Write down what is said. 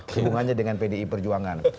hubungannya dengan pdi perjuangan